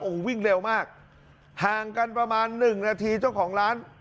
โอ้โหวิ่งเร็วมากห่างกันประมาณหนึ่งนาทีเจ้าของร้าน